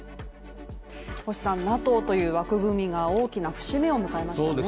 ＮＡＴＯという枠組みが大きな節目を迎えましたね